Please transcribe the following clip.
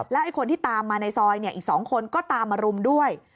ไอ้คนที่ตามมาในซอยอีก๒คนก็ตามมารุมด้วย